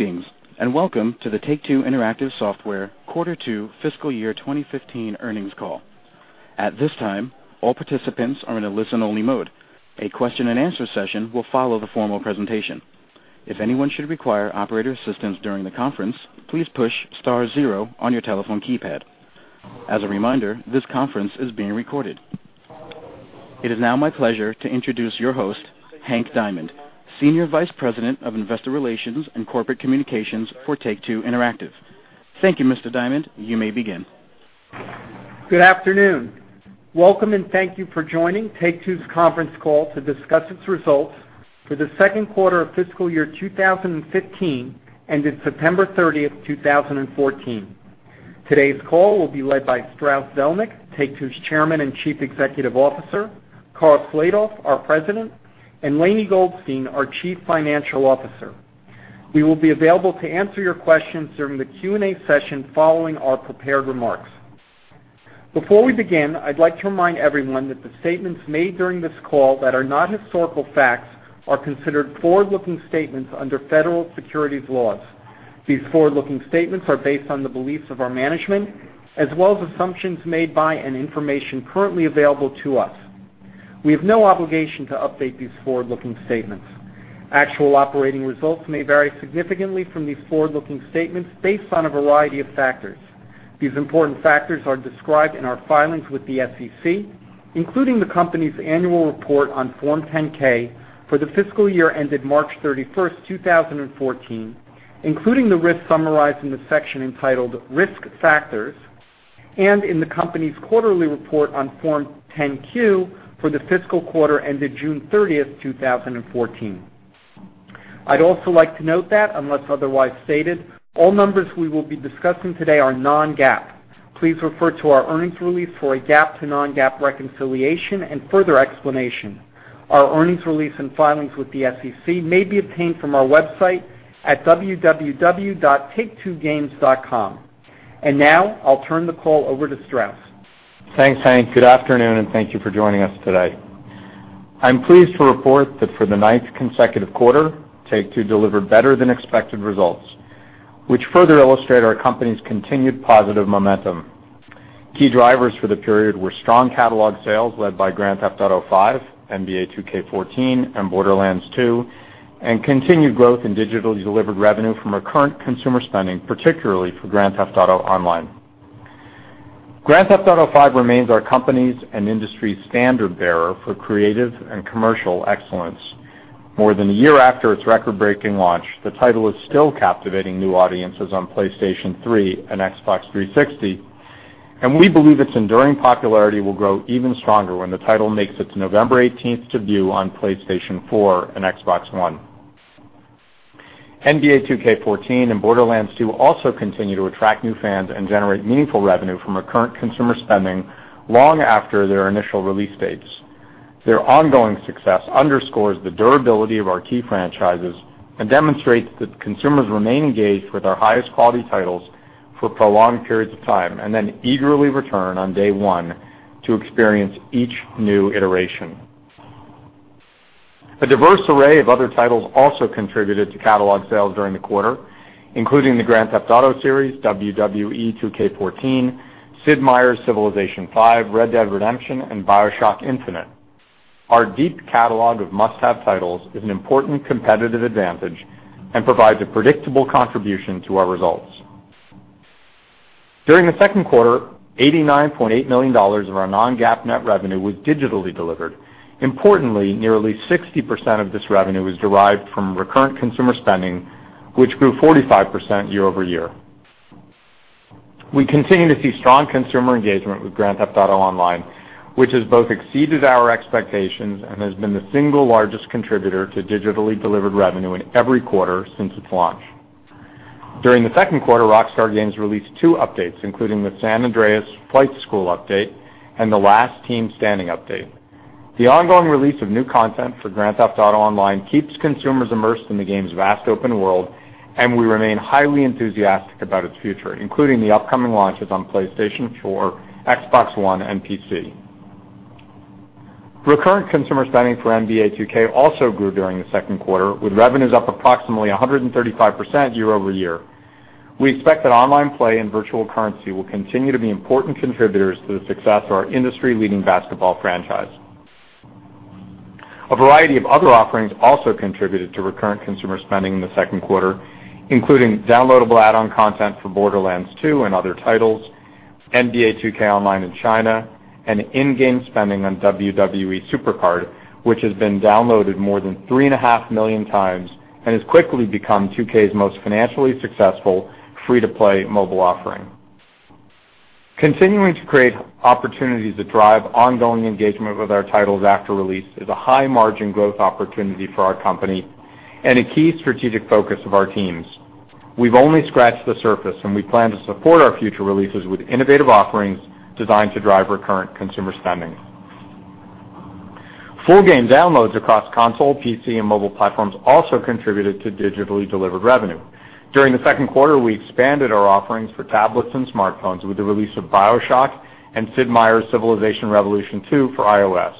Greetings, and welcome to the Take-Two Interactive Software quarter two fiscal year 2015 earnings call. At this time, all participants are in a listen-only mode. A question and answer session will follow the formal presentation. If anyone should require operator assistance during the conference, please push star zero on your telephone keypad. As a reminder, this conference is being recorded. It is now my pleasure to introduce your host, Hank Diamond, Senior Vice President of Investor Relations and Corporate Communications for Take-Two Interactive. Thank you, Mr. Diamond. You may begin. Good afternoon. Welcome and thank you for joining Take-Two's conference call to discuss its results for the second quarter of fiscal year 2015, ended September 30th, 2014. Today's call will be led by Strauss Zelnick, Take-Two's Chairman and Chief Executive Officer, Karl Slatoff, our President, and Lainie Goldstein, our Chief Financial Officer. We will be available to answer your questions during the Q&A session following our prepared remarks. Before we begin, I'd like to remind everyone that the statements made during this call that are not historical facts are considered forward-looking statements under federal securities laws. These forward-looking statements are based on the beliefs of our management, as well as assumptions made by and information currently available to us. We have no obligation to update these forward-looking statements. Actual operating results may vary significantly from these forward-looking statements based on a variety of factors. These important factors are described in our filings with the SEC, including the company's annual report on Form 10-K for the fiscal year ended March 31st, 2014, including the risks summarized in the section entitled "Risk Factors," and in the company's quarterly report on Form 10-Q for the fiscal quarter ended June 30th, 2014. I'd also like to note that unless otherwise stated, all numbers we will be discussing today are non-GAAP. Please refer to our earnings release for a GAAP to non-GAAP reconciliation and further explanation. Our earnings release and filings with the SEC may be obtained from our website at www.taketwogames.com. Now I'll turn the call over to Strauss. Thanks, Hank. Good afternoon, and thank you for joining us today. I'm pleased to report that for the ninth consecutive quarter, Take-Two delivered better than expected results, which further illustrate our company's continued positive momentum. Key drivers for the period were strong catalog sales led by Grand Theft Auto V, NBA 2K14, and Borderlands 2, and continued growth in digitally delivered revenue from recurrent consumer spending, particularly for Grand Theft Auto Online. Grand Theft Auto V remains our company's and industry's standard-bearer for creative and commercial excellence. More than a year after its record-breaking launch, the title is still captivating new audiences on PlayStation 3 and Xbox 360, and we believe its enduring popularity will grow even stronger when the title makes its November 18th debut on PlayStation 4 and Xbox One. NBA 2K14 and Borderlands 2 also continue to attract new fans and generate meaningful revenue from recurrent consumer spending long after their initial release dates. Their ongoing success underscores the durability of our key franchises and demonstrates that consumers remain engaged with our highest quality titles for prolonged periods of time, and then eagerly return on day one to experience each new iteration. A diverse array of other titles also contributed to catalog sales during the quarter, including the Grand Theft Auto series, WWE 2K14, Sid Meier's Civilization V, Red Dead Redemption, and BioShock Infinite. Our deep catalog of must-have titles is an important competitive advantage and provides a predictable contribution to our results. During the second quarter, $89.8 million of our non-GAAP net revenue was digitally delivered. Importantly, nearly 60% of this revenue was derived from recurrent consumer spending, which grew 45% year-over-year. We continue to see strong consumer engagement with Grand Theft Auto Online, which has both exceeded our expectations and has been the single largest contributor to digitally delivered revenue in every quarter since its launch. During the second quarter, Rockstar Games released two updates, including The San Andreas Flight School Update and The Last Team Standing Update. The ongoing release of new content for Grand Theft Auto Online keeps consumers immersed in the game's vast open world, and we remain highly enthusiastic about its future, including the upcoming launches on PlayStation 4, Xbox One, and PC. Recurrent consumer spending for NBA 2K also grew during the second quarter, with revenues up approximately 135% year-over-year. We expect that online play and virtual currency will continue to be important contributors to the success of our industry-leading basketball franchise. A variety of other offerings also contributed to recurrent consumer spending in the second quarter, including downloadable add-on content for Borderlands 2 and other titles, NBA 2K Online in China, and in-game spending on WWE SuperCard, which has been downloaded more than three and a half million times and has quickly become 2K's most financially successful free-to-play mobile offering. Continuing to create opportunities that drive ongoing engagement with our titles after release is a high margin growth opportunity for our company and a key strategic focus of our teams. We've only scratched the surface. We plan to support our future releases with innovative offerings designed to drive recurrent consumer spending. Full game downloads across console, PC, and mobile platforms also contributed to digitally delivered revenue. During the second quarter, we expanded our offerings for tablets and smartphones with the release of BioShock and Sid Meier's Civilization Revolution 2 for iOS.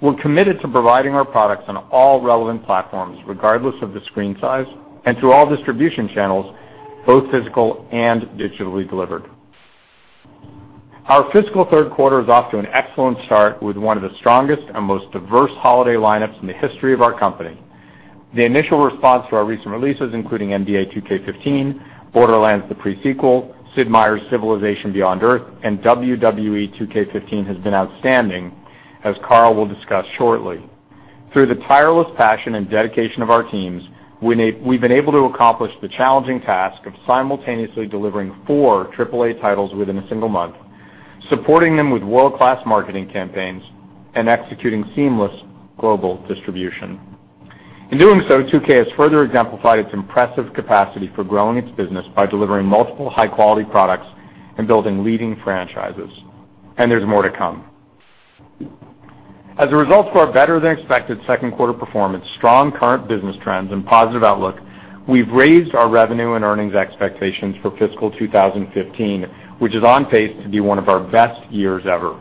We're committed to providing our products on all relevant platforms, regardless of the screen size, and to all distribution channels, both physical and digitally delivered. Our fiscal third quarter is off to an excellent start with one of the strongest and most diverse holiday lineups in the history of our company. The initial response to our recent releases, including NBA 2K15, Borderlands: The Pre-Sequel, Sid Meier's Civilization: Beyond Earth, and WWE 2K15 has been outstanding, as Karl will discuss shortly. Through the tireless passion and dedication of our teams, we've been able to accomplish the challenging task of simultaneously delivering four AAA titles within a single month, supporting them with world-class marketing campaigns, and executing seamless global distribution. In doing so, 2K has further exemplified its impressive capacity for growing its business by delivering multiple high-quality products and building leading franchises. There's more to come. As a result of our better-than-expected second quarter performance, strong current business trends, and positive outlook, we've raised our revenue and earnings expectations for fiscal 2015, which is on pace to be one of our best years ever.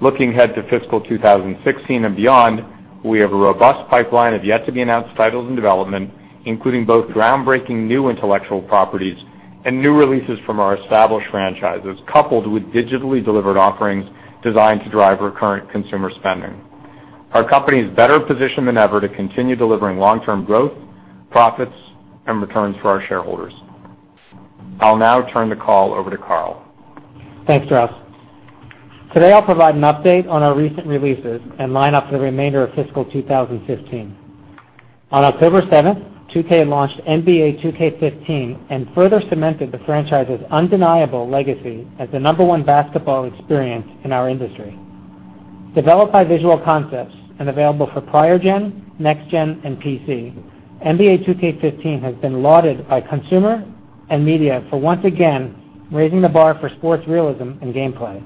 Looking ahead to fiscal 2016 and beyond, we have a robust pipeline of yet-to-be-announced titles in development, including both groundbreaking new intellectual properties and new releases from our established franchises, coupled with digitally delivered offerings designed to drive recurrent consumer spending. Our company is better positioned than ever to continue delivering long-term growth, profits, and returns for our shareholders. I'll now turn the call over to Karl. Thanks, Strauss. Today I'll provide an update on our recent releases and line up for the remainder of fiscal 2015. On October 7th, 2K launched NBA 2K15 and further cemented the franchise's undeniable legacy as the number 1 basketball experience in our industry. Developed by Visual Concepts and available for prior gen, next gen, and PC, NBA 2K15 has been lauded by consumer and media for once again raising the bar for sports realism and gameplay.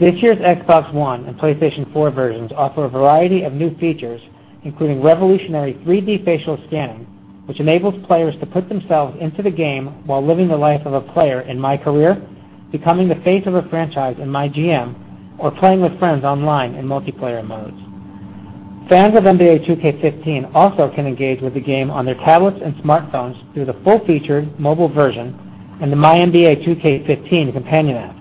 This year's Xbox One and PlayStation 4 versions offer a variety of new features, including revolutionary 3D facial scanning, which enables players to put themselves into the game while living the life of a player in MyCAREER, becoming the face of a franchise in MyGM, or playing with friends online in multiplayer modes. Fans of NBA 2K15 also can engage with the game on their tablets and smartphones through the full-featured mobile version and the MyNBA2K15 companion app.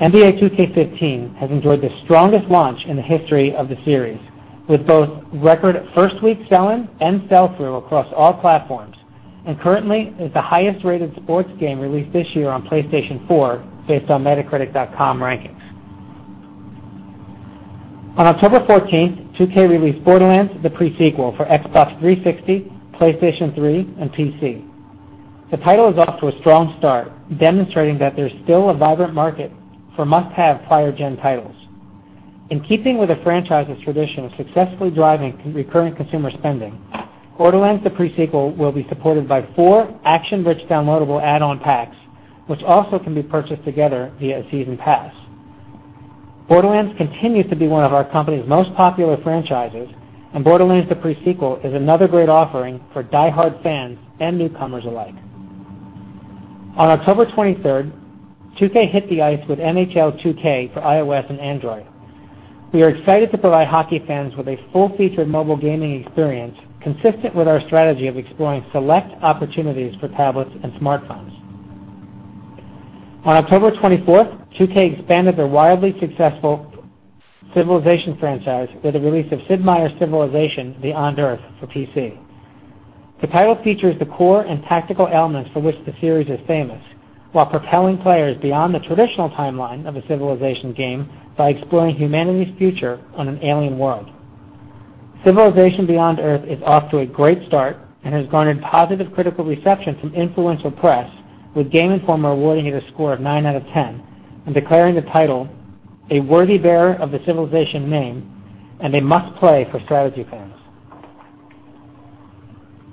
NBA 2K15 has enjoyed the strongest launch in the history of the series, with both record first-week selling and sell-through across all platforms, and currently is the highest-rated sports game released this year on PlayStation 4 based on Metacritic rankings. On October 14th, 2K released Borderlands: The Pre-Sequel for Xbox 360, PlayStation 3, and PC. The title is off to a strong start, demonstrating that there's still a vibrant market for must-have prior gen titles. In keeping with the franchise's tradition of successfully driving recurring consumer spending, Borderlands: The Pre-Sequel will be supported by four action-rich downloadable add-on packs, which also can be purchased together via Season Pass. Borderlands continues to be one of our company's most popular franchises, and Borderlands: The Pre-Sequel is another great offering for diehard fans and newcomers alike. On October 23rd, 2K hit the ice with NHL 2K for iOS and Android. We are excited to provide hockey fans with a full-featured mobile gaming experience consistent with our strategy of exploring select opportunities for tablets and smartphones. On October 24th, 2K expanded their wildly successful Civilization franchise with the release of Sid Meier's Civilization: Beyond Earth for PC. The title features the core and tactical elements for which the series is famous, while propelling players beyond the traditional timeline of a Civilization game by exploring humanity's future on an alien world. Civilization: Beyond Earth is off to a great start and has garnered positive critical reception from influential press, with Game Informer awarding it a score of nine out of ten and declaring the title a worthy bearer of the Civilization name and a must-play for strategy fans.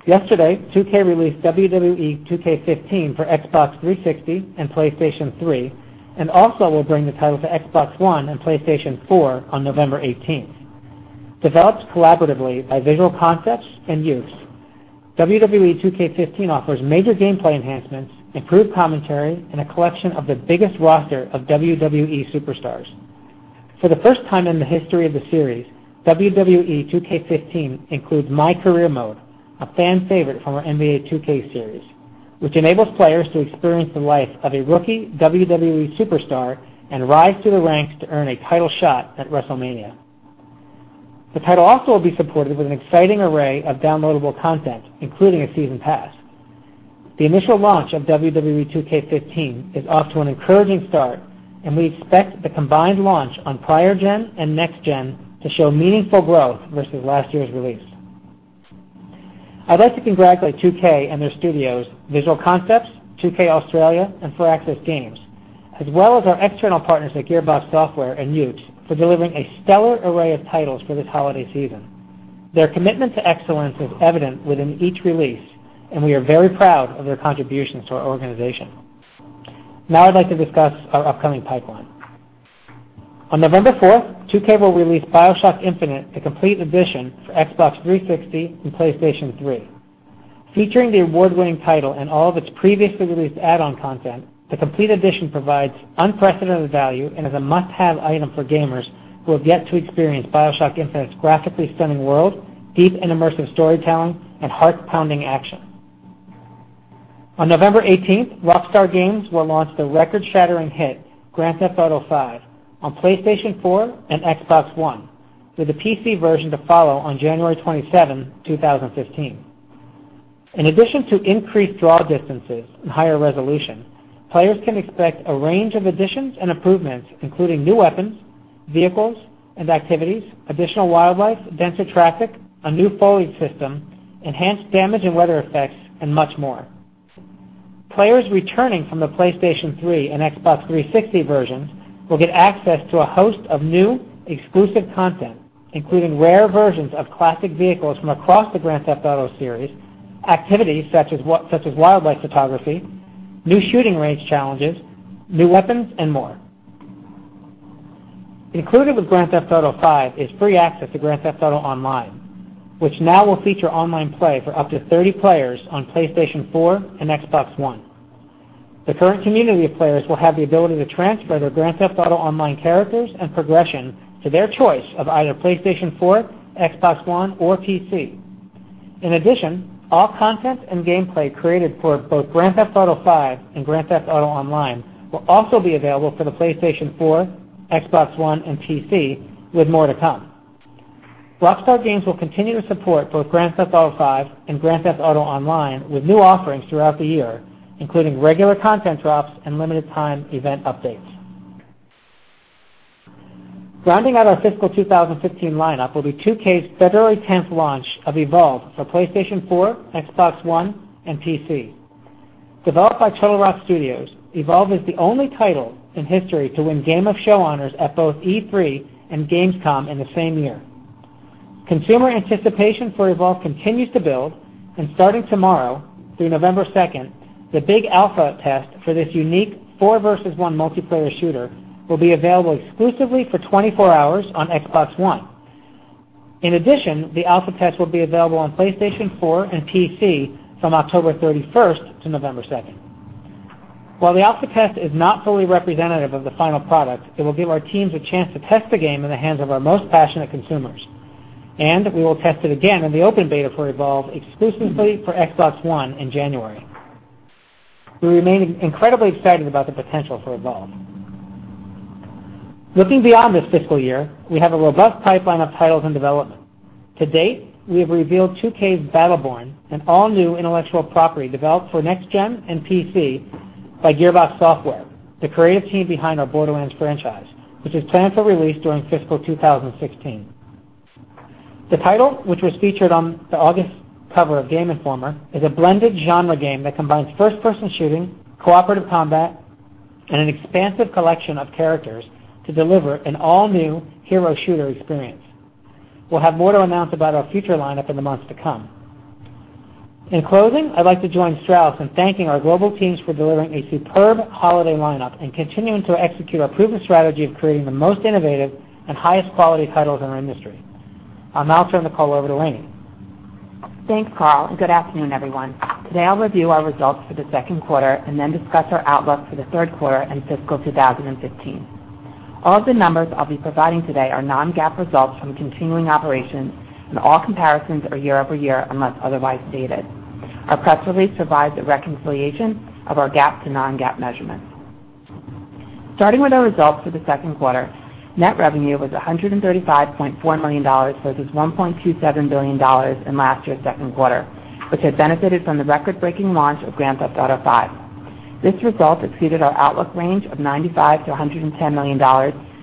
Yesterday, 2K released WWE 2K15 for Xbox 360 and PlayStation 3, and also will bring the title to Xbox One and PlayStation 4 on November 18th. Developed collaboratively by Visual Concepts and Yuke's, WWE 2K15 offers major gameplay enhancements, improved commentary, and a collection of the biggest roster of WWE superstars. For the first time in the history of the series, WWE 2K15 includes MyCAREER mode, a fan favorite from our NBA 2K series, which enables players to experience the life of a rookie WWE superstar and rise through the ranks to earn a title shot at WrestleMania. The title also will be supported with an exciting array of downloadable content, including a Season Pass. The initial launch of WWE 2K15 is off to an encouraging start, and we expect the combined launch on prior gen and next gen to show meaningful growth versus last year's release. I'd like to congratulate 2K and their studios, Visual Concepts, 2K Australia, and Firaxis Games, as well as our external partners at Gearbox Software and Yuke's for delivering a stellar array of titles for this holiday season. Their commitment to excellence is evident within each release, and we are very proud of their contributions to our organization. Now I'd like to discuss our upcoming pipeline. On November 4th, 2K will release BioShock Infinite: The Complete Edition for Xbox 360 and PlayStation 3. Featuring the award-winning title and all of its previously released add-on content, the Complete Edition provides unprecedented value and is a must-have item for gamers who have yet to experience "BioShock Infinite's" graphically stunning world, deep and immersive storytelling, and heart-pounding action. On November 18th, Rockstar Games will launch the record-shattering hit, "Grand Theft Auto V," on PlayStation 4 and Xbox One, with a PC version to follow on January 27, 2015. In addition to increased draw distances and higher resolution, players can expect a range of additions and improvements, including new weapons, vehicles, and activities, additional wildlife, denser traffic, a new foliage system, enhanced damage and weather effects, and much more. Players returning from the PlayStation 3 and Xbox 360 versions will get access to a host of new exclusive content, including rare versions of classic vehicles from across the "Grand Theft Auto" series, activities such as wildlife photography, new shooting range challenges, new weapons, and more. Included with "Grand Theft Auto V" is free access to "Grand Theft Auto Online," which now will feature online play for up to 30 players on PlayStation 4 and Xbox One. The current community of players will have the ability to transfer their "Grand Theft Auto Online" characters and progression to their choice of either PlayStation 4, Xbox One, or PC. In addition, all content and gameplay created for both "Grand Theft Auto V" and "Grand Theft Auto Online" will also be available for the PlayStation 4, Xbox One, and PC, with more to come. Rockstar Games will continue to support both Grand Theft Auto V and Grand Theft Auto Online with new offerings throughout the year, including regular content drops and limited-time event updates. Rounding out our fiscal 2015 lineup will be 2K's February 10th launch of Evolve for PlayStation 4, Xbox One, and PC. Developed by Turtle Rock Studios, Evolve is the only title in history to win Game of Show honors at both E3 and Gamescom in the same year. Consumer anticipation for Evolve continues to build, and starting tomorrow through November 2nd, the Big Alpha test for this unique four versus one multiplayer shooter will be available exclusively for 24 hours on Xbox One. In addition, the Alpha test will be available on PlayStation 4 and PC from October 31st to November 2nd. While the Alpha test is not fully representative of the final product, it will give our teams a chance to test the game in the hands of our most passionate consumers, and we will test it again in the open beta for Evolve exclusively for Xbox One in January. We remain incredibly excited about the potential for Evolve. Looking beyond this fiscal year, we have a robust pipeline of titles in development. To date, we have revealed 2K's Battleborn, an all-new intellectual property developed for next-gen and PC by Gearbox Software, the creative team behind our Borderlands franchise, which is planned for release during fiscal 2016. The title, which was featured on the August cover of Game Informer, is a blended genre game that combines first-person shooting, cooperative combat, and an expansive collection of characters to deliver an all-new hero shooter experience. We'll have more to announce about our future lineup in the months to come. In closing, I'd like to join Strauss in thanking our global teams for delivering a superb holiday lineup and continuing to execute our proven strategy of creating the most innovative and highest quality titles in our industry. I'll now turn the call over to Lainie. Thanks, Karl, and good afternoon, everyone. Today, I'll review our results for the second quarter and then discuss our outlook for the third quarter and fiscal 2015. All of the numbers I'll be providing today are non-GAAP results from continuing operations, and all comparisons are year-over-year, unless otherwise stated. Our press release provides a reconciliation of our GAAP to non-GAAP measurements. Starting with our results for the second quarter, net revenue was $135.4 million versus $1.27 billion in last year's second quarter, which had benefited from the record-breaking launch of Grand Theft Auto V. This result exceeded our outlook range of $95 million-$110 million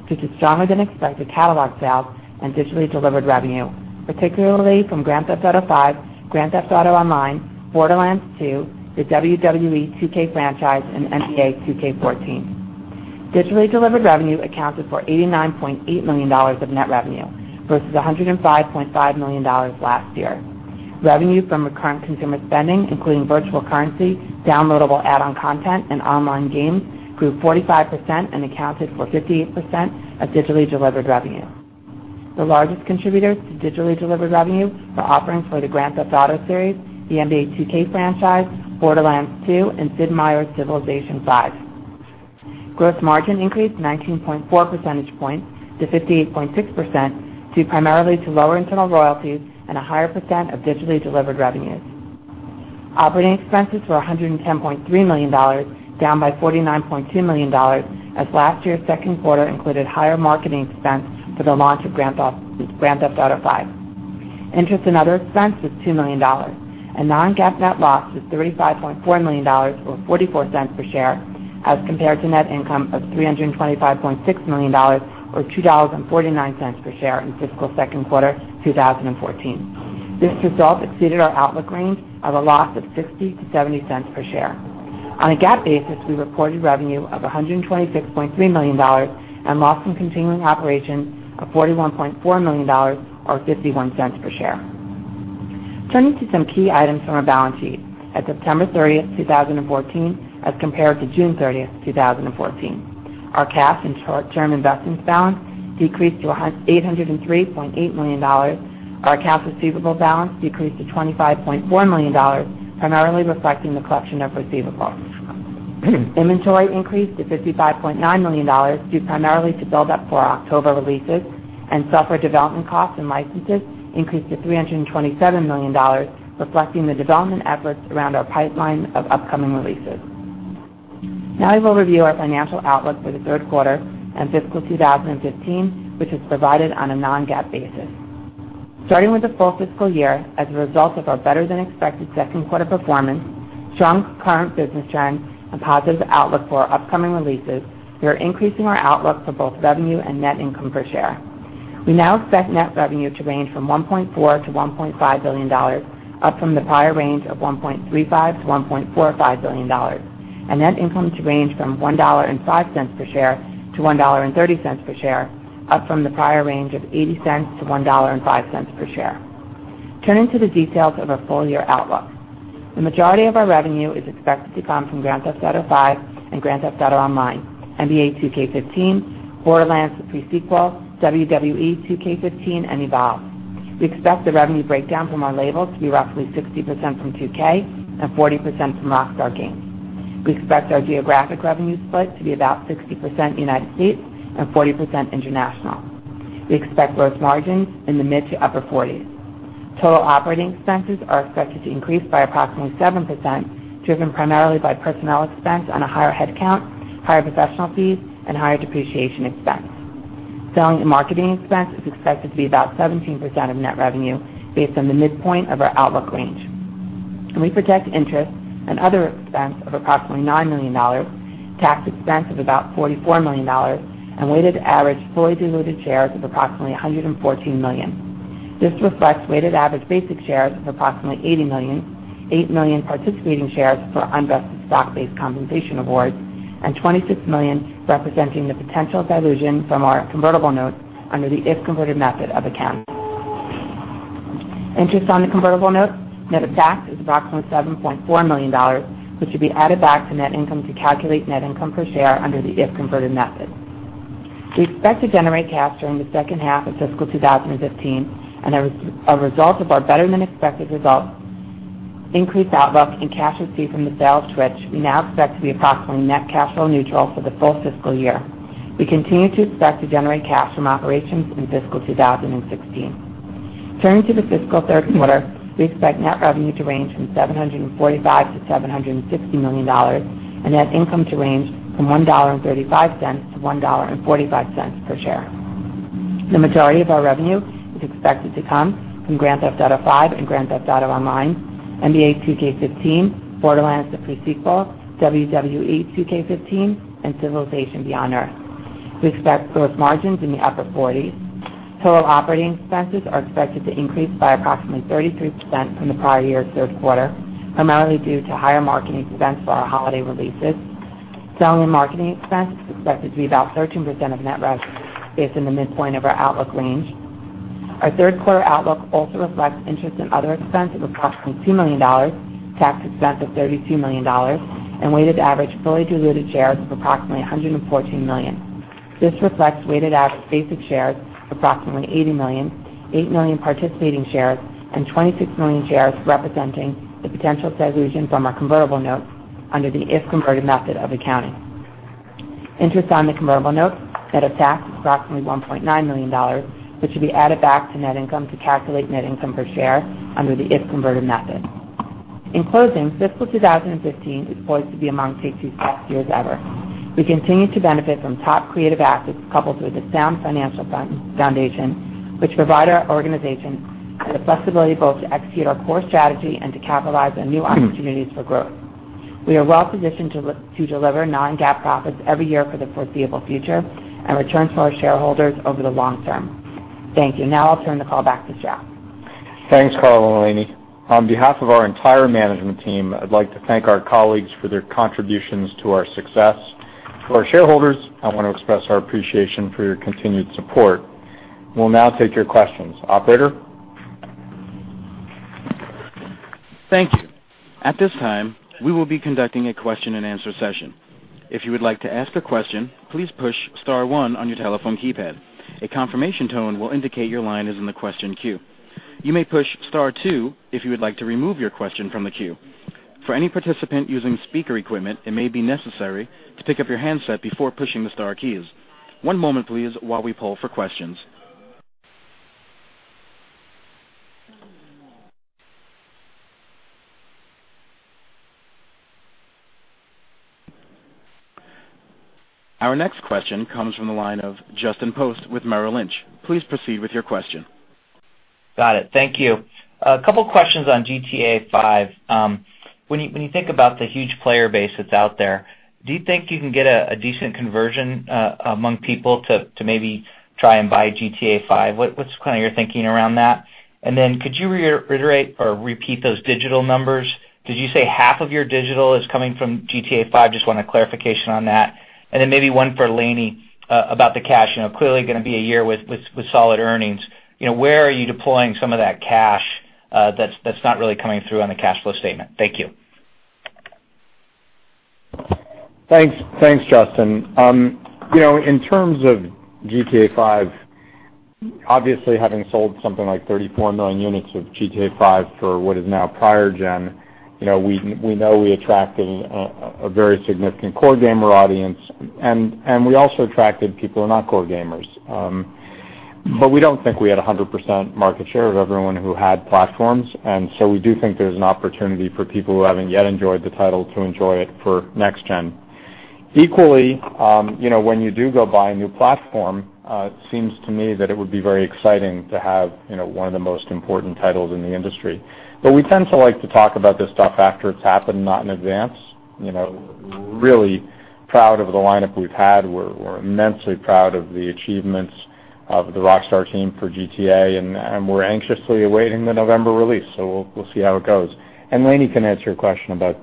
due to stronger than expected catalog sales and digitally delivered revenue, particularly from Grand Theft Auto V, Grand Theft Auto Online, Borderlands 2, the WWE 2K franchise, and NBA 2K14. Digitally delivered revenue accounted for $89.8 million of net revenue versus $105.5 million last year. Revenue from recurrent consumer spending, including virtual currency, downloadable add-on content, and online games, grew 45% and accounted for 58% of digitally delivered revenue. The largest contributors to digitally delivered revenue were offerings for the Grand Theft Auto series, the NBA 2K franchise, Borderlands 2, and Sid Meier's Civilization V. Gross margin increased 19.4 percentage points to 58.6%, due primarily to lower internal royalties and a higher percent of digitally delivered revenues. Operating expenses were $110.3 million, down by $49.2 million as last year's second quarter included higher marketing expense for the launch of Grand Theft Auto V. Interest and other expenses was $2 million, and non-GAAP net loss was $35.4 million, or $0.44 per share, as compared to net income of $325.6 million, or $2.49 per share in fiscal second quarter 2014. This result exceeded our outlook range of a loss of $0.60-$0.70 per share. On a GAAP basis, we reported revenue of $126.3 million and loss from continuing operations of $41.4 million or $0.51 per share. Turning to some key items from our balance sheet at September 30, 2014, as compared to June 30, 2014. Our cash and short-term investments balance decreased to $803.8 million. Our accounts receivable balance decreased to $25.4 million, primarily reflecting the collection of receivables. Inventory increased to $55.9 million, due primarily to build up for our October releases, and software development costs and licenses increased to $327 million, reflecting the development efforts around our pipeline of upcoming releases. Now I will review our financial outlook for the third quarter and fiscal 2015, which is provided on a non-GAAP basis. Starting with the full fiscal year, as a result of our better-than-expected second quarter performance, strong current business trends, and positive outlook for our upcoming releases, we are increasing our outlook for both revenue and net income per share. We now expect net revenue to range from $1.4 billion-$1.5 billion, up from the prior range of $1.35 billion-$1.45 billion, and net income to range from $1.05 per share-$1.30 per share, up from the prior range of $0.80-$1.05 per share. Turning to the details of our full-year outlook. The majority of our revenue is expected to come from Grand Theft Auto V and Grand Theft Auto Online, NBA 2K15, Borderlands: The Pre-Sequel, WWE 2K15, and Evolve. We expect the revenue breakdown from our labels to be roughly 60% from 2K and 40% from Rockstar Games. We expect our geographic revenue split to be about 60% U.S. and 40% international. We expect gross margins in the mid to upper 40s. Total operating expenses are expected to increase by approximately 7%, driven primarily by personnel expense on a higher headcount, higher professional fees, and higher depreciation expense. Selling and marketing expense is expected to be about 17% of net revenue based on the midpoint of our outlook range. We project interest and other expense of approximately $9 million, tax expense of about $44 million, and weighted average fully diluted shares of approximately 114 million. This reflects weighted average basic shares of approximately 80 million, eight million participating shares for unvested stock-based compensation awards, and 26 million representing the potential dilution from our convertible notes under the if-converted method of accounting. Interest on the convertible notes net of tax is approximately $7.4 million, which should be added back to net income to calculate net income per share under the if-converted method. We expect to generate cash during the second half of fiscal 2015. As a result of our better-than-expected results, increased outlook, and cash received from the sale of Twitch, we now expect to be approximately net cash flow neutral for the full fiscal year. We continue to expect to generate cash from operations in fiscal 2016. Turning to the fiscal third quarter, we expect net revenue to range from $745 million-$760 million and net income to range from $1.35-$1.45 per share. The majority of our revenue is expected to come from Grand Theft Auto V and Grand Theft Auto Online, NBA 2K15, Borderlands: The Pre-Sequel, WWE 2K15, and Civilization Beyond Earth. We expect gross margins in the upper 40s. Total operating expenses are expected to increase by approximately 33% from the prior year third quarter, primarily due to higher marketing expense for our holiday releases. Selling and marketing expense is expected to be about 13% of net revenue based on the midpoint of our outlook range. Our third quarter outlook also reflects interest and other expense of approximately $2 million, tax expense of $32 million, and weighted average fully diluted shares of approximately 114 million. This reflects weighted average basic shares of approximately 80 million, eight million participating shares, and 26 million shares representing the potential dilution from our convertible notes under the if-converted method of accounting. Interest on the convertible notes net of tax is approximately $1.9 million, which should be added back to net income to calculate net income per share under the if-converted method. In closing, fiscal 2015 is poised to be among Take-Two's best years ever. We continue to benefit from top creative assets coupled with a sound financial foundation, which provide our organization the flexibility both to execute our core strategy and to capitalize on new opportunities for growth. We are well positioned to deliver non-GAAP profits every year for the foreseeable future and returns for our shareholders over the long term. Thank you. I'll turn the call back to Strauss. Thanks, Karl and Lainie. On behalf of our entire management team, I'd like to thank our colleagues for their contributions to our success. To our shareholders, I want to express our appreciation for your continued support. We'll now take your questions. Operator? Thank you. At this time, we will be conducting a question-and-answer session. If you would like to ask a question, please push star one on your telephone keypad. A confirmation tone will indicate your line is in the question queue. You may push star two if you would like to remove your question from the queue. For any participant using speaker equipment, it may be necessary to pick up your handset before pushing the star keys. One moment, please, while we poll for questions. Our next question comes from the line of Justin Post with Merrill Lynch. Please proceed with your question. Got it. Thank you. A couple questions on GTA V. When you think about the huge player base that's out there, do you think you can get a decent conversion among people to maybe try and buy GTA V? What's kind of your thinking around that? Could you reiterate or repeat those digital numbers? Did you say half of your digital is coming from GTA V? Just want a clarification on that. Maybe one for Lainie about the cash. Clearly going to be a year with solid earnings. Where are you deploying some of that cash that's not really coming through on the cash flow statement? Thank you. Thanks, Justin. In terms of GTA V, obviously having sold something like 34 million units of GTA V for what is now prior gen, we know we attracted a very significant core gamer audience, and we also attracted people who are not core gamers. We don't think we had 100% market share of everyone who had platforms. We do think there's an opportunity for people who haven't yet enjoyed the title to enjoy it for next gen. Equally, when you do go buy a new platform, it seems to me that it would be very exciting to have one of the most important titles in the industry. We tend to like to talk about this stuff after it's happened, not in advance. Really proud of the lineup we've had. We're immensely proud of the achievements of the Rockstar team for GTA, we're anxiously awaiting the November release. We'll see how it goes. Lainie can answer your question about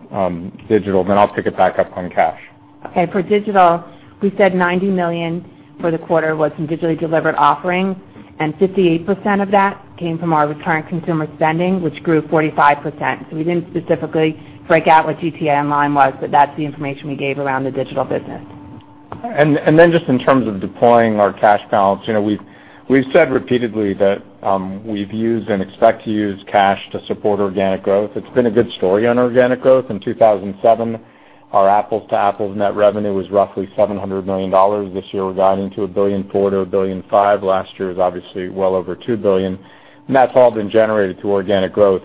digital, then I'll pick it back up on cash. For digital, we said $90 million for the quarter was in digitally delivered offerings, 58% of that came from our recurrent consumer spending, which grew 45%. We didn't specifically break out what GTA Online was, but that's the information we gave around the digital business. Just in terms of deploying our cash balance, we've said repeatedly that we've used and expect to use cash to support organic growth. It's been a good story on organic growth. In 2007, our apples-to-apples net revenue was roughly $700 million. This year, we're guiding to $1.4 billion-$1.5 billion. Last year was obviously well over $2 billion, that's all been generated through organic growth.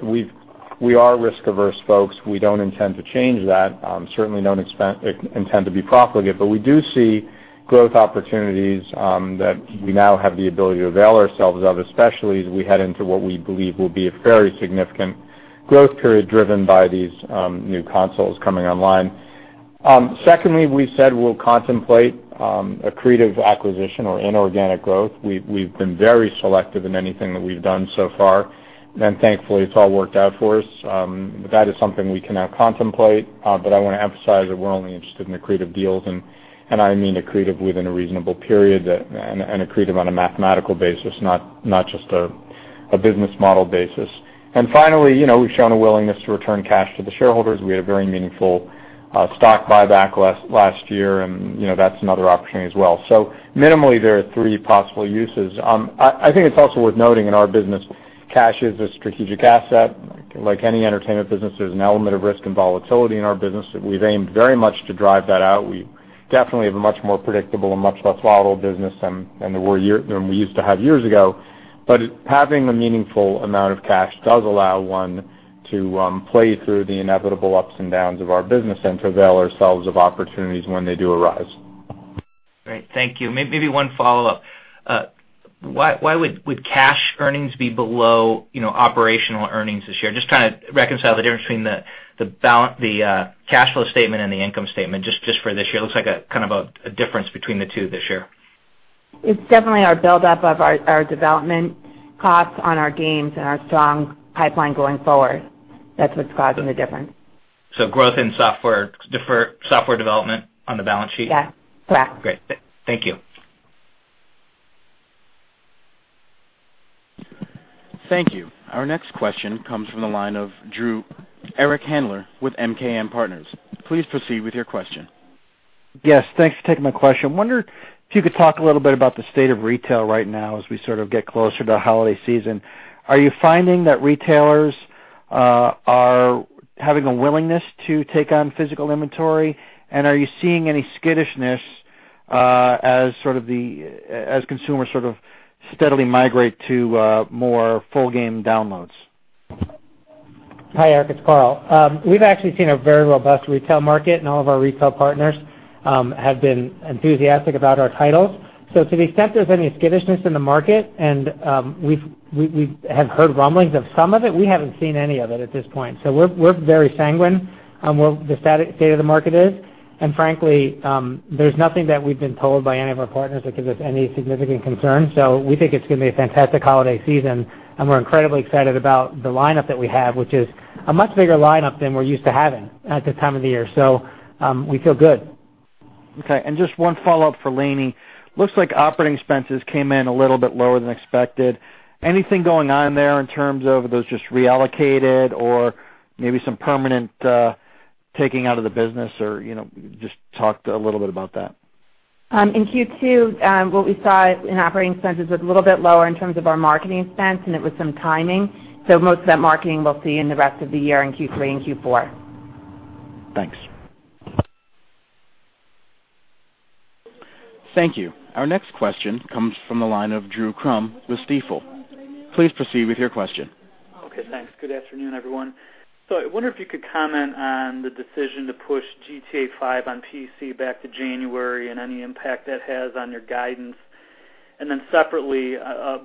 Secondly, we said we'll contemplate accretive acquisition or inorganic growth. We've been very selective in anything that we've done so far, thankfully it's all worked out for us. That is something we can now contemplate. I want to emphasize that we're only interested in accretive deals, I mean accretive within a reasonable period and accretive on a mathematical basis, not just a business model basis. Finally, we've shown a willingness to return cash to the shareholders. We had a very meaningful stock buyback last year, that's another opportunity as well. Minimally, there are three possible uses. I think it's also worth noting in our business, cash is a strategic asset. Like any entertainment business, there's an element of risk and volatility in our business that we've aimed very much to drive that out. We definitely have a much more predictable and much less volatile business than we used to have years ago. Having a meaningful amount of cash does allow one to play through the inevitable ups and downs of our business and to avail ourselves of opportunities when they do arise. Great. Thank you. Maybe one follow-up. Why would cash earnings be below operational earnings this year? Just trying to reconcile the difference between the cash flow statement and the income statement just for this year. It looks like kind of a difference between the two this year. It's definitely our build up of our development costs on our games and our strong pipeline going forward. That's what's causing the difference. Growth in software development on the balance sheet? Yeah. Correct. Great. Thank you. Thank you. Our next question comes from the line of Eric Handler with MKM Partners. Please proceed with your question. Yes, thanks for taking my question. I wonder if you could talk a little bit about the state of retail right now as we sort of get closer to holiday season. Are you finding that retailers are having a willingness to take on physical inventory? Are you seeing any skittishness as consumers sort of steadily migrate to more full game downloads? Hi, Eric. It's Karl. We've actually seen a very robust retail market, and all of our retail partners have been enthusiastic about our titles. To the extent there's any skittishness in the market, and we have heard rumblings of some of it, we haven't seen any of it at this point. We're very sanguine on where the state of the market is, and frankly, there's nothing that we've been told by any of our partners that gives us any significant concern. We think it's going to be a fantastic holiday season, and we're incredibly excited about the lineup that we have, which is a much bigger lineup than we're used to having at this time of the year. We feel good. Okay, just one follow-up for Lainie. Looks like operating expenses came in a little bit lower than expected. Anything going on there in terms of are those just reallocated or maybe some permanent taking out of the business or just talk a little bit about that. In Q2, what we saw in operating expenses was a little bit lower in terms of our marketing spend, and it was some timing. Most of that marketing we'll see in the rest of the year in Q3 and Q4. Thanks. Thank you. Our next question comes from the line of Drew Crum with Stifel. Please proceed with your question. Okay, thanks. Good afternoon, everyone. I wonder if you could comment on the decision to push GTA V on PC back to January and any impact that has on your guidance. Separately,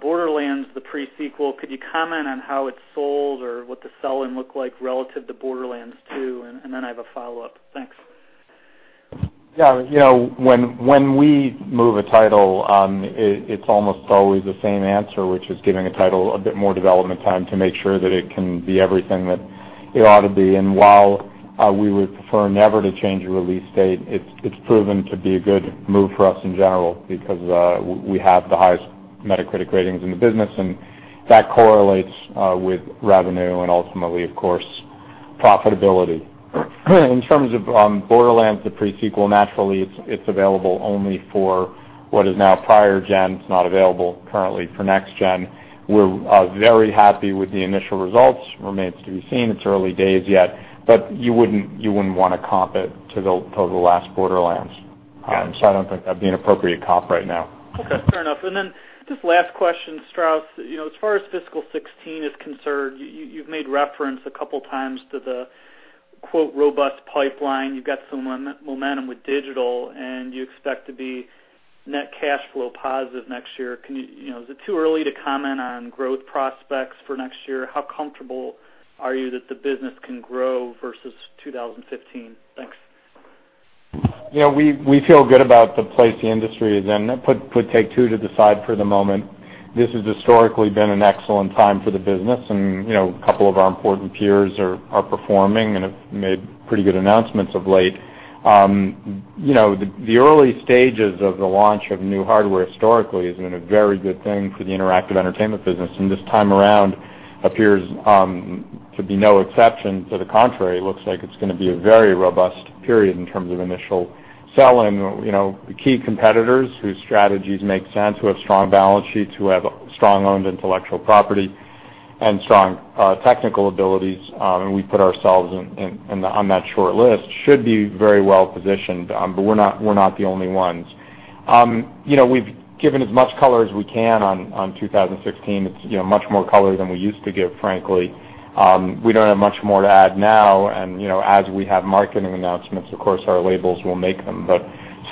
Borderlands: The Pre-Sequel, could you comment on how it sold or what the sell-in looked like relative to Borderlands 2? I have a follow-up. Thanks. Yeah. When we move a title, it's almost always the same answer, which is giving a title a bit more development time to make sure that it can be everything that it ought to be. While we would prefer never to change a release date, it's proven to be a good move for us in general because we have the highest Metacritic ratings in the business, and that correlates with revenue and ultimately, of course profitability. In terms of Borderlands: The Pre-Sequel, naturally, it's available only for what is now prior gen. It's not available currently for next gen. We're very happy with the initial results. Remains to be seen. It's early days yet. You wouldn't want to comp it to the last Borderlands. I don't think that'd be an appropriate comp right now. Okay, fair enough. Just last question, Strauss, as far as fiscal 2016 is concerned, you've made reference a couple of times to the, quote, "robust pipeline." You've got some momentum with digital, and you expect to be net cash flow positive next year. Is it too early to comment on growth prospects for next year? How comfortable are you that the business can grow versus 2015? Thanks. Yeah, we feel good about the place the industry is in. Put Take-Two to the side for the moment. This has historically been an excellent time for the business. A couple of our important peers are performing and have made pretty good announcements of late. The early stages of the launch of new hardware historically has been a very good thing for the interactive entertainment business. This time around appears to be no exception. To the contrary, it looks like it's going to be a very robust period in terms of initial selling. The key competitors whose strategies make sense, who have strong balance sheets, who have strong owned intellectual property and strong technical abilities, and we put ourselves on that short list, should be very well positioned. We're not the only ones. We've given as much color as we can on 2016. It's much more color than we used to give, frankly. We don't have much more to add now. As we have marketing announcements, of course, our labels will make them.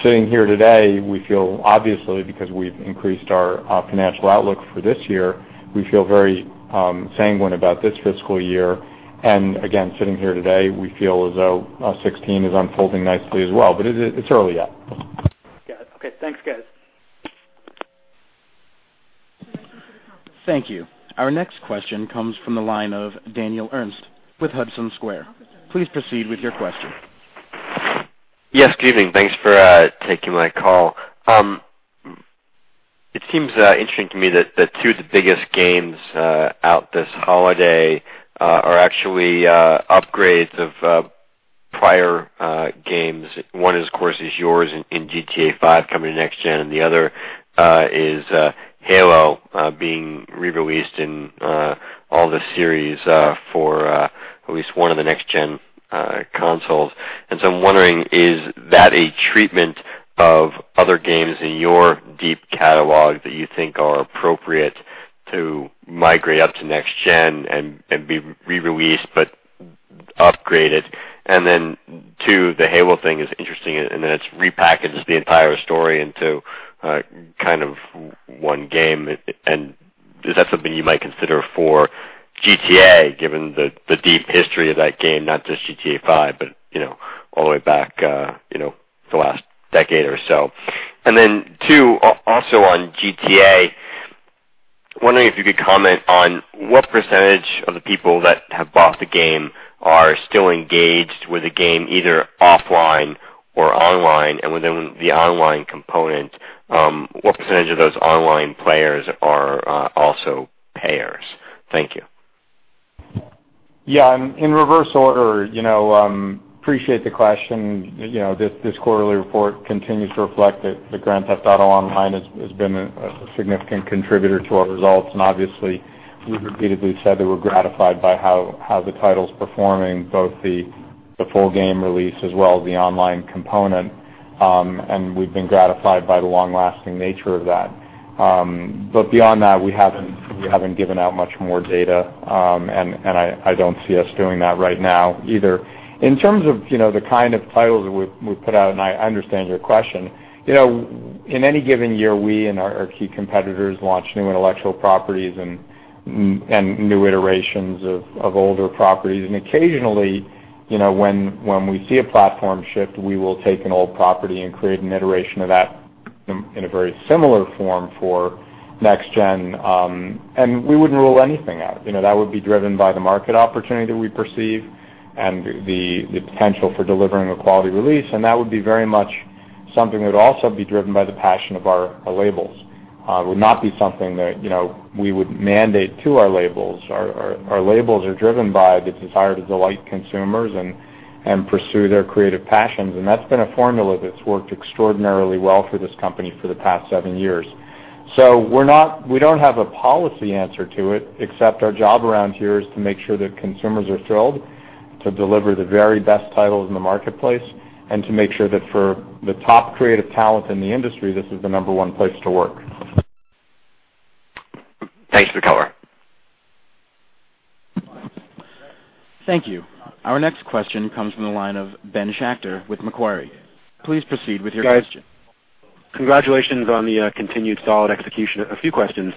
Sitting here today, we feel, obviously, because we've increased our financial outlook for this year, we feel very sanguine about this fiscal year. Again, sitting here today, we feel as though 2016 is unfolding nicely as well. It's early yet. Got it. Okay. Thanks, guys. Thank you. Our next question comes from the line of Daniel Ernst with Hudson Square. Please proceed with your question. Yes, good evening. Thanks for taking my call. It seems interesting to me that two of the biggest games out this holiday are actually upgrades of prior games. One, of course, is yours in GTA V coming to next gen, and the other is Halo being re-released in all the series for at least one of the next gen consoles. I'm wondering, is that a treatment of other games in your deep catalog that you think are appropriate to migrate up to next gen and be re-released, but upgraded? Then two, the Halo thing is interesting in that it's repackaged the entire story into one game. Is that something you might consider for GTA, given the deep history of that game? Not just GTA V, but all the way back the last decade or so. Two, also on GTA, wondering if you could comment on what % of the people that have bought the game are still engaged with the game, either offline or online. Within the Online component, what % of those Online players are also payers? Thank you. In reverse order, appreciate the question. This quarterly report continues to reflect that the Grand Theft Auto Online has been a significant contributor to our results. Obviously, we've repeatedly said that we're gratified by how the title's performing, both the full game release as well as the Online component. We've been gratified by the long-lasting nature of that. Beyond that, we haven't given out much more data, I don't see us doing that right now either. In terms of the kind of titles that we put out, I understand your question. In any given year, we and our key competitors launch new intellectual properties and new iterations of older properties. Occasionally, when we see a platform shift, we will take an old property and create an iteration of that in a very similar form for next gen. We wouldn't rule anything out. That would be driven by the market opportunity that we perceive and the potential for delivering a quality release, that would be very much something that would also be driven by the passion of our labels. It would not be something that we would mandate to our labels. Our labels are driven by the desire to delight consumers and pursue their creative passions, that's been a formula that's worked extraordinarily well for this company for the past seven years. We don't have a policy answer to it, except our job around here is to make sure that consumers are thrilled, to deliver the very best titles in the marketplace, and to make sure that for the top creative talent in the industry, this is the number one place to work. Thanks for the color. Thank you. Our next question comes from the line of Ben Schachter with Macquarie. Please proceed with your question. Guys, congratulations on the continued solid execution. A few questions.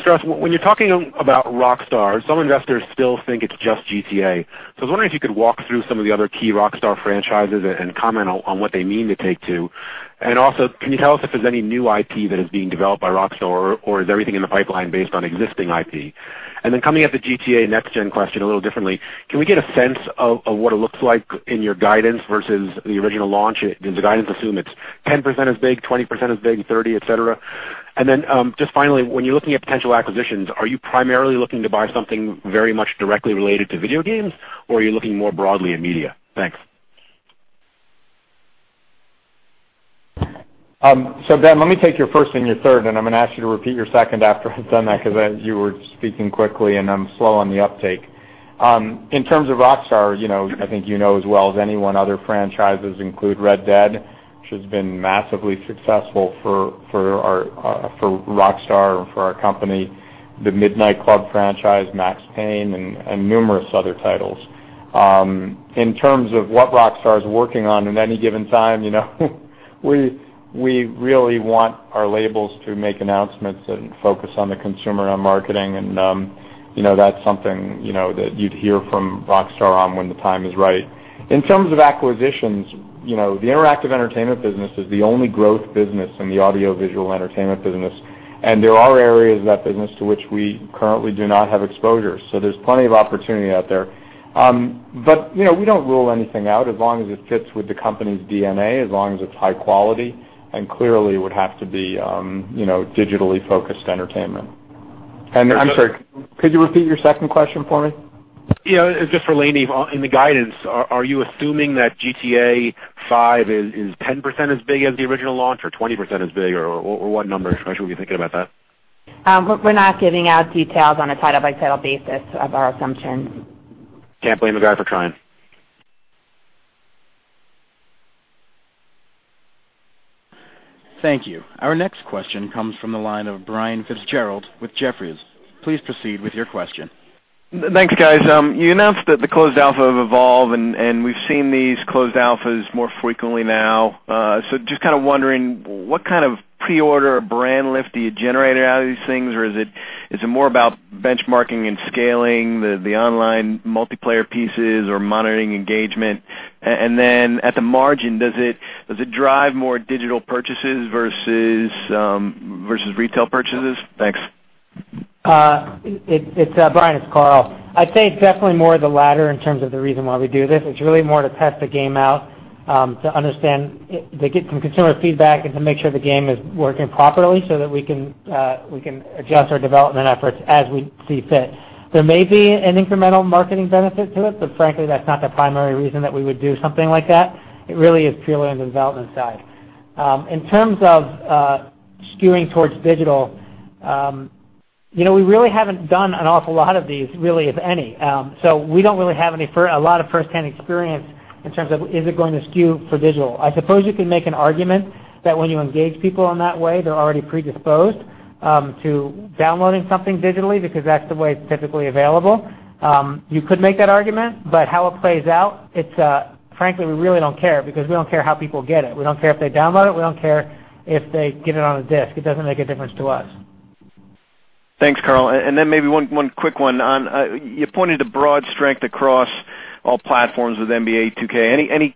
Strauss, when you're talking about Rockstar, some investors still think it's just GTA. I was wondering if you could walk through some of the other key Rockstar franchises and comment on what they mean to Take-Two. Can you tell us if there's any new IP that is being developed by Rockstar, or is everything in the pipeline based on existing IP? Coming at the GTA next gen question a little differently, can we get a sense of what it looks like in your guidance versus the original launch? Does the guidance assume it's 10% as big, 20% as big, 30%, et cetera? Just finally, when you're looking at potential acquisitions, are you primarily looking to buy something very much directly related to video games, or are you looking more broadly in media? Thanks. Ben, let me take your first and your third, and I'm going to ask you to repeat your second after I've done that because you were speaking quickly, and I'm slow on the uptake. In terms of Rockstar, I think you know as well as anyone, other franchises include "Red Dead," which has been massively successful for Rockstar and for our company, the "Midnight Club" franchise, "Max Payne," and numerous other titles. In terms of what Rockstar is working on in any given time, we really want our labels to make announcements and focus on the consumer and on marketing, and that's something that you'd hear from Rockstar on when the time is right. In terms of acquisitions, the interactive entertainment business is the only growth business in the audiovisual entertainment business, and there are areas of that business to which we currently do not have exposure. There's plenty of opportunity out there. We don't rule anything out as long as it fits with the company's DNA, as long as it's high quality, and clearly it would have to be digitally focused entertainment. I'm sorry, could you repeat your second question for me? Yeah. Just for Lainie. In the guidance, are you assuming that GTA V is 10% as big as the original launch or 20% as big, or what number or spreadsheet are we thinking about that? We're not giving out details on a title-by-title basis of our assumptions. Can't blame a guy for trying. Thank you. Our next question comes from the line of Brian Fitzgerald with Jefferies. Please proceed with your question. Thanks, guys. You announced the closed alpha of Evolve. We've seen these closed alphas more frequently now. Just kind of wondering, what kind of pre-order brand lift are you generating out of these things? Is it more about benchmarking and scaling the online multiplayer pieces or monitoring engagement? At the margin, does it drive more digital purchases versus retail purchases? Thanks. Brian, it's Karl. I'd say it's definitely more the latter in terms of the reason why we do this. It's really more to test the game out, to understand, to get some consumer feedback, and to make sure the game is working properly so that we can adjust our development efforts as we see fit. There may be an incremental marketing benefit to it, frankly, that's not the primary reason that we would do something like that. It really is purely on the development side. In terms of skewing towards digital, we really haven't done an awful lot of these, really, if any. We don't really have a lot of first-hand experience in terms of, is it going to skew for digital. I suppose you can make an argument that when you engage people in that way, they're already predisposed to downloading something digitally because that's the way it's typically available. You could make that argument, how it plays out, frankly, we really don't care because we don't care how people get it. We don't care if they download it. We don't care if they get it on a disc. It doesn't make a difference to us. Thanks, Karl. Maybe one quick one. You pointed to broad strength across all platforms with NBA 2K. Any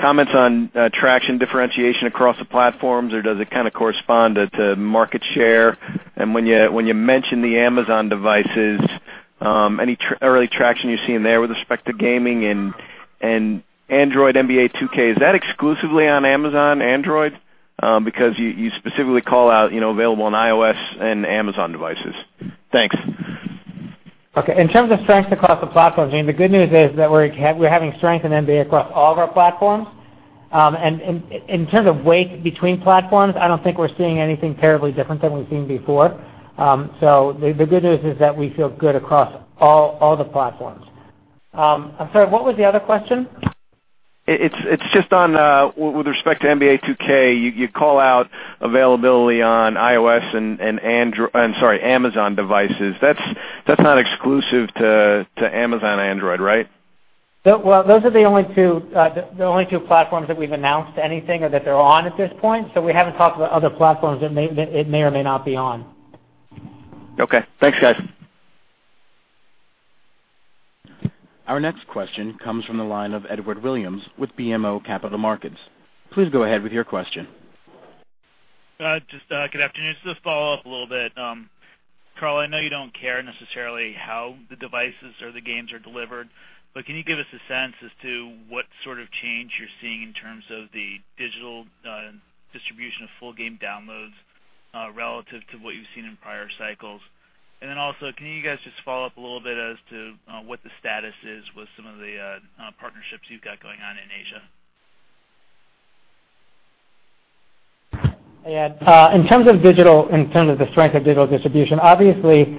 comments on traction differentiation across the platforms, does it kind of correspond to market share? When you mention the Amazon devices, any early traction you're seeing there with respect to gaming and Android NBA 2K? Is that exclusively on Amazon Android? Because you specifically call out available on iOS and Amazon devices. Thanks. Okay. In terms of strength across the platforms, the good news is that we're having strength in NBA across all of our platforms. In terms of weight between platforms, I don't think we're seeing anything terribly different than we've seen before. The good news is that we feel good across all the platforms. I'm sorry, what was the other question? It's just with respect to NBA 2K, you call out availability on iOS and Amazon devices. That's not exclusive to Amazon Android, right? Well, those are the only two platforms that we've announced anything or that they're on at this point. We haven't talked about other platforms it may or may not be on. Okay. Thanks, guys. Our next question comes from the line of Edward Williams with BMO Capital Markets. Please go ahead with your question. Good afternoon. Just to follow up a little bit. Karl, I know you don't care necessarily how the devices or the games are delivered, but can you give us a sense as to what sort of change you're seeing in terms of the digital distribution of full game downloads relative to what you've seen in prior cycles? Also, can you guys just follow up a little bit as to what the status is with some of the partnerships you've got going on in Asia? Hey, Ed. In terms of digital, in terms of the strength of digital distribution, obviously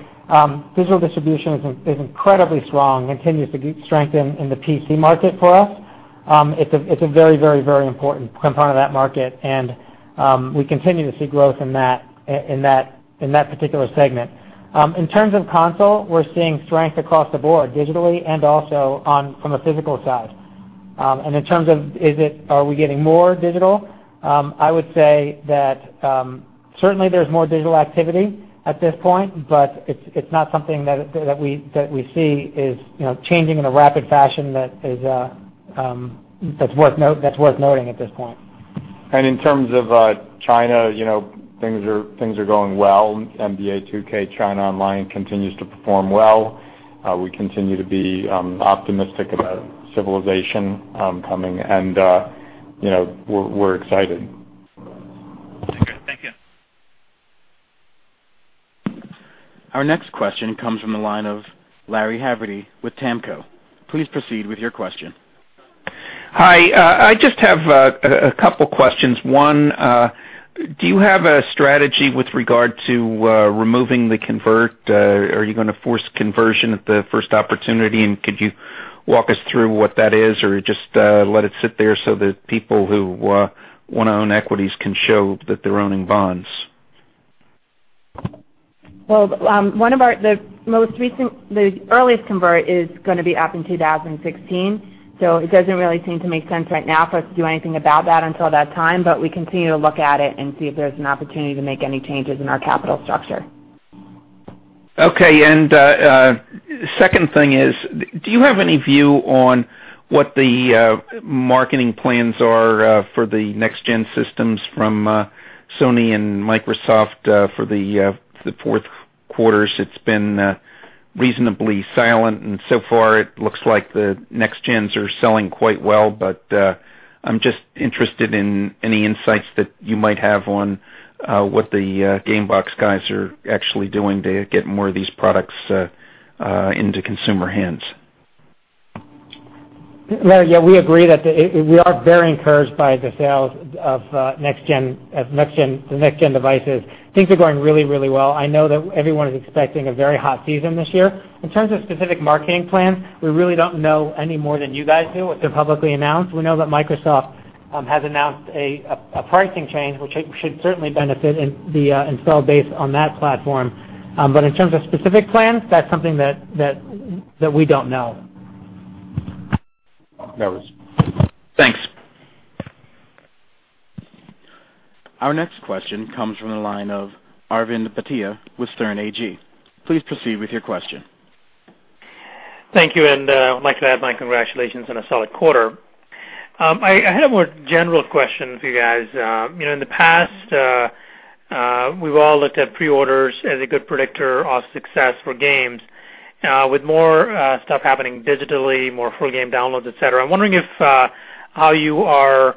digital distribution is incredibly strong, continues to strengthen in the PC market for us. It's a very important component of that market, we continue to see growth in that particular segment. In terms of console, we're seeing strength across the board digitally and also from a physical side. In terms of are we getting more digital, I would say that certainly there's more digital activity at this point, but it's not something that we see is changing in a rapid fashion that's worth noting at this point. In terms of China, things are going well. NBA 2K China Online continues to perform well. We continue to be optimistic about Civilization coming, we're excited. Our next question comes from the line of Lawrence Haverty with GAMCO. Please proceed with your question. Hi, I just have a couple questions. One, do you have a strategy with regard to removing the convert? Are you going to force conversion at the first opportunity and could you walk us through what that is or just let it sit there so that people who want to own equities can show that they're owning bonds? The earliest convert is going to be up in 2016, so it doesn't really seem to make sense right now for us to do anything about that until that time. We continue to look at it and see if there's an opportunity to make any changes in our capital structure. Okay. Second thing is, do you have any view on what the marketing plans are for the next-gen systems from Sony and Microsoft for the fourth quarters? It's been reasonably silent and so far it looks like the next-gens are selling quite well. I'm just interested in any insights that you might have on what the game box guys are actually doing to get more of these products into consumer hands. Larry, yeah, we agree that we are very encouraged by the sales of the next-gen devices. Things are going really, really well. I know that everyone is expecting a very hot season this year. In terms of specific marketing plans, we really don't know any more than you guys do what they've publicly announced. We know that Microsoft has announced a pricing change, which should certainly benefit the install base on that platform. In terms of specific plans, that's something that we don't know. That was. Thanks. Our next question comes from the line of Arvind Bhatia with Sterne Agee. Please proceed with your question. Thank you. I'd like to add my congratulations on a solid quarter. I had a more general question for you guys. In the past, we've all looked at pre-orders as a good predictor of success for games. With more stuff happening digitally, more full game downloads, et cetera, I'm wondering how you are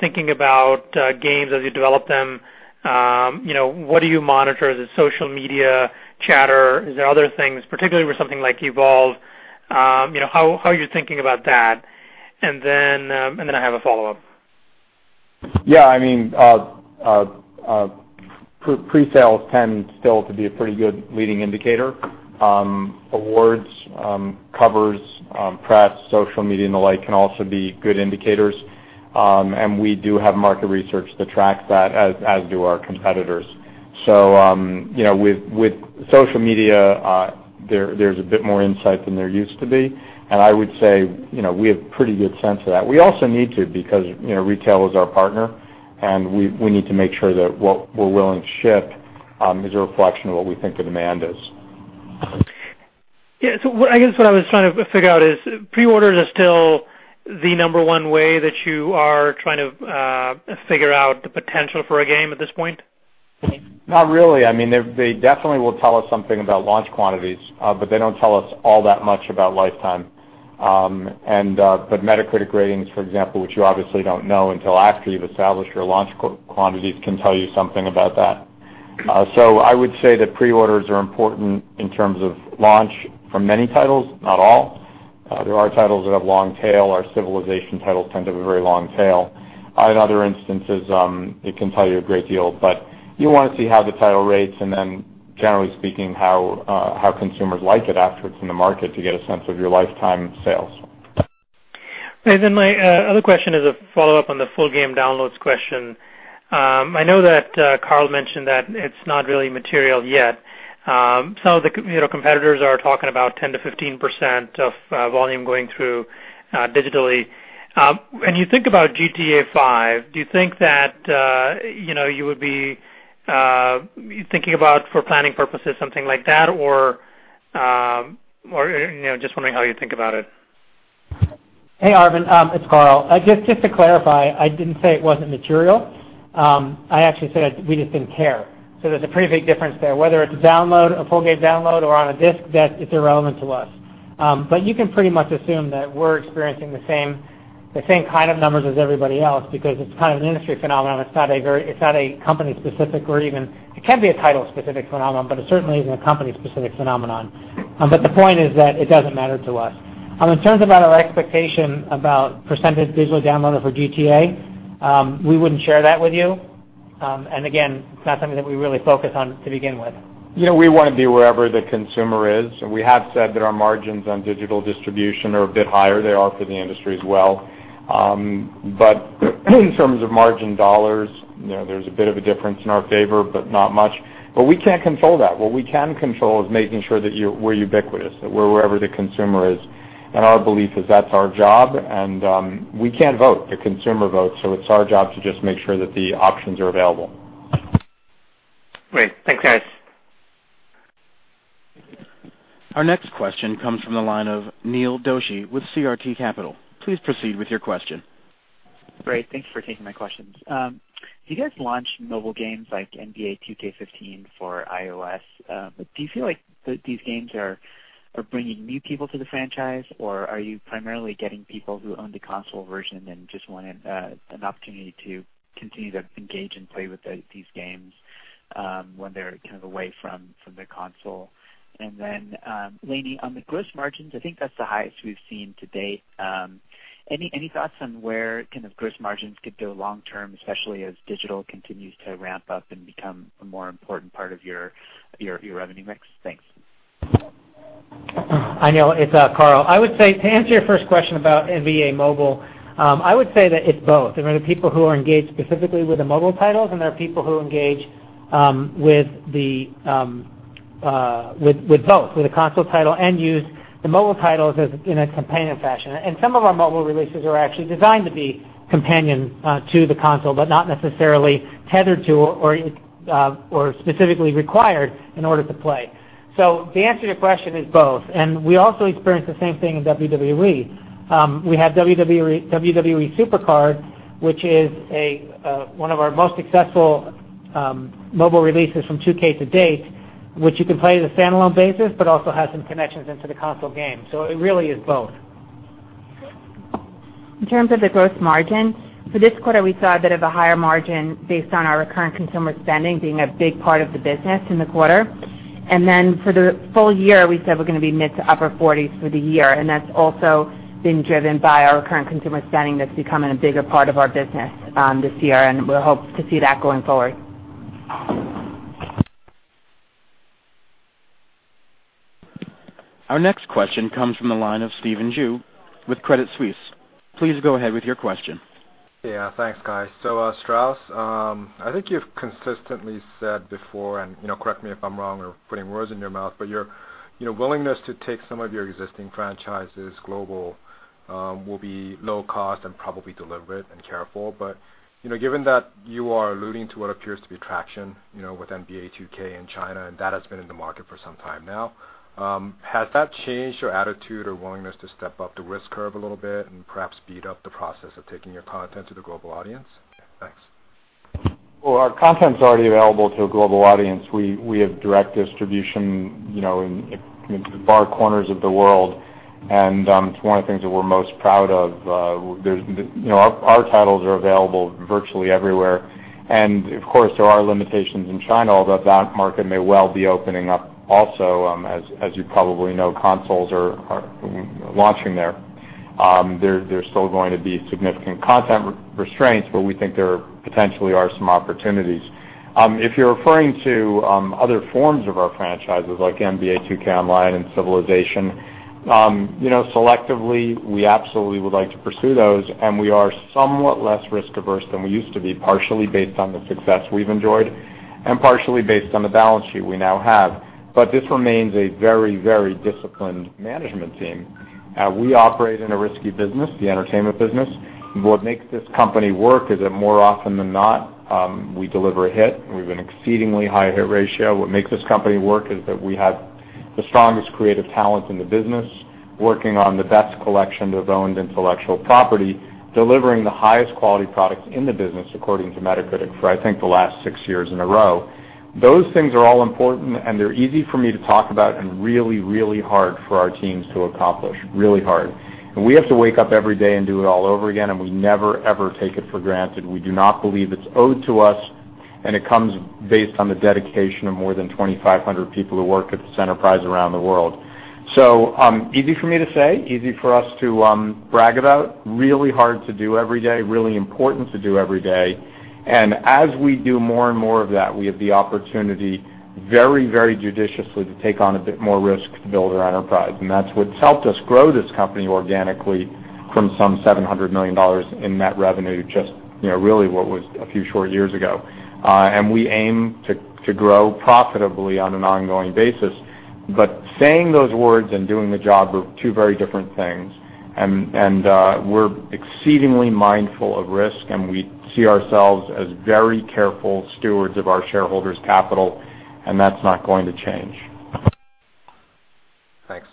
thinking about games as you develop them. What do you monitor? Is it social media chatter? Is there other things, particularly with something like Evolve, how are you thinking about that? Then, I have a follow-up. Yeah, pre-sales tend still to be a pretty good leading indicator. Awards, covers, press, social media, and the like can also be good indicators. We do have market research to track that, as do our competitors. With social media, there's a bit more insight than there used to be. I would say, we have pretty good sense of that. We also need to because retail is our partner, and we need to make sure that what we're willing to ship is a reflection of what we think the demand is. Yeah. I guess what I was trying to figure out is, pre-orders are still the number one way that you are trying to figure out the potential for a game at this point? Not really. They definitely will tell us something about launch quantities, they don't tell us all that much about lifetime. Metacritic ratings, for example, which you obviously don't know until after you've established your launch quantities, can tell you something about that. I would say that pre-orders are important in terms of launch for many titles, not all. There are titles that have long tail. Our Civilization titles tend to have a very long tail. In other instances, it can tell you a great deal, but you want to see how the title rates and then generally speaking, how consumers like it after it's in the market to get a sense of your lifetime sales. Okay. My other question is a follow-up on the full game downloads question. I know that Karl mentioned that it's not really material yet. Some of the competitors are talking about 10%-15% of volume going through digitally. When you think about GTA V, do you think that you would be thinking about, for planning purposes, something like that or just wondering how you think about it? Hey, Arvind. It's Karl. Just to clarify, I didn't say it wasn't material. I actually said we just didn't care. There's a pretty big difference there. Whether it's a download, a full game download, or on a disc, that is irrelevant to us. You can pretty much assume that we're experiencing the same kind of numbers as everybody else because it's kind of an industry phenomenon. It's not a company specific or it can be a title specific phenomenon, but it certainly isn't a company specific phenomenon. The point is that it doesn't matter to us. In terms about our expectation about percentage digital download for GTA, we wouldn't share that with you. Again, it's not something that we really focus on to begin with. We want to be wherever the consumer is. We have said that our margins on digital distribution are a bit higher. They are for the industry as well. In terms of margin dollars, there's a bit of a difference in our favor, but not much. We can't control that. What we can control is making sure that we're ubiquitous, that we're wherever the consumer is. Our belief is that's our job and we can't vote. The consumer votes. It's our job to just make sure that the options are available. Great. Thanks, guys. Our next question comes from the line of Neil Doshi with CRT Capital. Please proceed with your question. Great. Thanks for taking my questions. You guys launched mobile games like NBA 2K15 for iOS. Do you feel like These games are bringing new people to the franchise, or are you primarily getting people who own the console version and just wanted an opportunity to continue to engage and play with these games when they're kind of away from the console? Lainie, on the gross margins, I think that's the highest we've seen to date. Any thoughts on where kind of gross margins could go long term, especially as digital continues to ramp up and become a more important part of your revenue mix? Thanks. Neil, it's Karl. I would say to answer your first question about NBA Mobile, I would say that it's both. There are the people who are engaged specifically with the mobile titles, and there are people who engage with both, with the console title and use the mobile titles in a companion fashion. Some of our mobile releases are actually designed to be companion to the console, but not necessarily tethered to or specifically required in order to play. The answer to your question is both. We also experience the same thing in WWE. We have WWE SuperCard, which is one of our most successful mobile releases from 2K to date, which you can play as a standalone basis, but also has some connections into the console game. It really is both. In terms of the gross margin, for this quarter, we saw a bit of a higher margin based on our recurrent consumer spending being a big part of the business in the quarter. For the full year, we said we're going to be mid to upper 40s for the year, and that's also been driven by our recurrent consumer spending that's becoming a bigger part of our business this year, and we'll hope to see that going forward. Our next question comes from the line of Stephen Ju with Credit Suisse. Please go ahead with your question. Yeah, thanks, guys. Strauss, I think you've consistently said before, and correct me if I'm wrong or putting words in your mouth, but your willingness to take some of your existing franchises global will be low cost and probably deliberate and careful. Given that you are alluding to what appears to be traction with NBA 2K in China, and that has been in the market for some time now, has that changed your attitude or willingness to step up the risk curve a little bit and perhaps speed up the process of taking your content to the global audience? Thanks. Well, our content's already available to a global audience. We have direct distribution in far corners of the world, and it's one of the things that we're most proud of. Our titles are available virtually everywhere. Of course, there are limitations in China, although that market may well be opening up also. As you probably know, consoles are launching there. There's still going to be significant content restraints, but we think there potentially are some opportunities. If you're referring to other forms of our franchises like NBA 2K Online and Civilization, selectively, we absolutely would like to pursue those, and we are somewhat less risk-averse than we used to be, partially based on the success we've enjoyed and partially based on the balance sheet we now have. This remains a very disciplined management team. We operate in a risky business, the entertainment business. What makes this company work is that more often than not, we deliver a hit. We have an exceedingly high hit ratio. What makes this company work is that we have the strongest creative talent in the business working on the best collection of owned intellectual property, delivering the highest quality products in the business, according to Metacritic, for I think the last six years in a row. Those things are all important, and they're easy for me to talk about and really hard for our teams to accomplish. Really hard. We have to wake up every day and do it all over again, and we never, ever take it for granted. We do not believe it's owed to us, and it comes based on the dedication of more than 2,500 people who work at this enterprise around the world. Easy for me to say, easy for us to brag about, really hard to do every day, really important to do every day. As we do more and more of that, we have the opportunity very judiciously to take on a bit more risk to build our enterprise. That's what's helped us grow this company organically from some $700 million in net revenue, just really what was a few short years ago. We aim to grow profitably on an ongoing basis. Saying those words and doing the job are two very different things, and we're exceedingly mindful of risk, and we see ourselves as very careful stewards of our shareholders' capital, and that's not going to change. Thanks.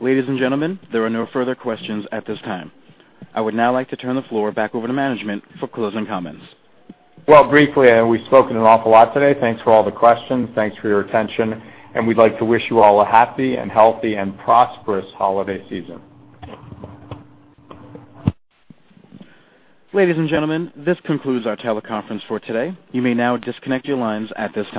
Ladies and gentlemen, there are no further questions at this time. I would now like to turn the floor back over to management for closing comments. Well, briefly, we've spoken an awful lot today. Thanks for all the questions. Thanks for your attention. We'd like to wish you all a happy and healthy and prosperous holiday season. Ladies and gentlemen, this concludes our teleconference for today. You may now disconnect your lines at this time.